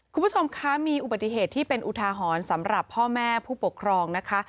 คุณผู้ชมคะมีอุบัติเหตุที่เป็นอุทาหรณ์สำหรับพ่อแม่ผู้ปกครองนะคะ